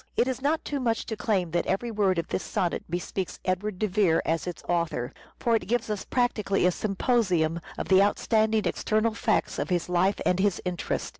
It is not too much to claim that every word of this sonnet bespeaks Edward de Vere as its author ; for it gives us practically a symposium of the outstanding external facts of his life and his interests.